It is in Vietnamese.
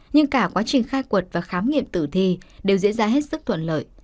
nhưng cả quá trình khai quật và khám nghiệm tử thi đều diễn ra hết sức thuận lợi